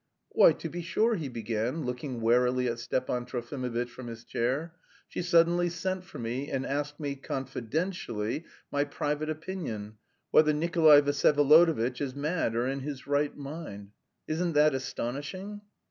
"Why, to be sure," he began, looking warily at Stepan Trofimovitch from his chair, "she suddenly sent for me and asked me 'confidentially' my private opinion, whether Nikolay Vsyevolodovitch is mad or in his right mind. Isn't that astonishing?"